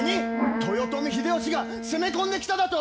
豊臣秀吉が攻め込んできただと！？